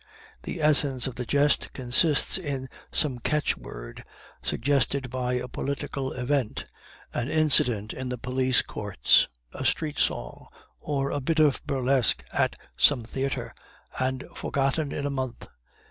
The essence of the jest consists in some catchword suggested by a political event, an incident in the police courts, a street song, or a bit of burlesque at some theatre, and forgotten in a month.